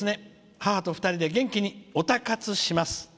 母と２人で元気にオタ活します」。